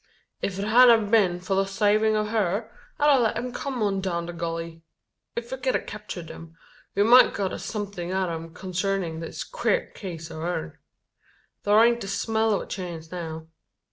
"If 't hedn't a been for the savin' o' her, I'd a let 'em come on down the gully. Ef we ked a captered them, we mout a got somethin' out o' 'em consarnin' this queer case o' ourn. Thur aint the smell o' a chance now.